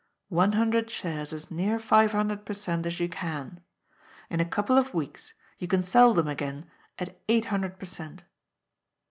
— one hundred shares as near five hundred per cent, as you can. In a couple of weeks you can sell them again at eight hundred per cent."